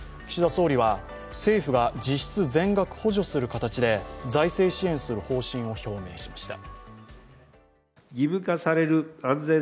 総理は政府が実質全額補助する形で財政支援する方針を表明しました。